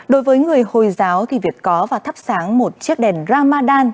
đối với người hồi giáo thì việc có và thắp sáng một chiếc đèn ramadan